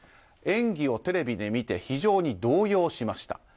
演技をテレビで見て非常に動揺しました。